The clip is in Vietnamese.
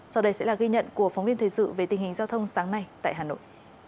sau đây sẽ là ghi nhận của phóng viên thời sự về tình hình giao thông sáng nay tại hà nội